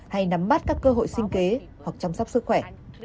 hay nắm bắt các cơ hội sinh kế hoặc chăm sóc sức khỏe